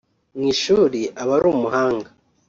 Mu ishuri aba ari umuhanga